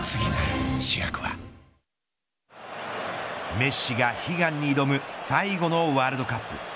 メッシが悲願に挑む最後のワールドカップ。